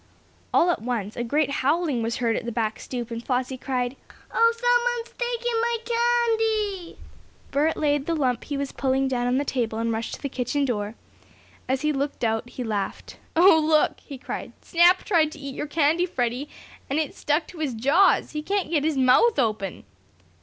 All at once a great howling was heard at the back stoop, and Flossie cried: "Oh, someone is taking my candy!" Bert laid the lump he was pulling down on the table, and rushed to the kitchen door. As he looked out he laughed. "Oh, look!" he cried. "Snap tried to eat your candy, Freddie, and it's stuck to his jaws. He can't get his mouth open!"